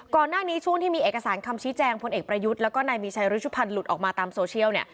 ก่อนหน้านี้ช่วงที่มีเอกสารคำชี้แจงพลเอกประยุทธ์แล้วก็นายมีชัยรุชุพันธ์หลุดออกมาตามโซเชียลเนี่ย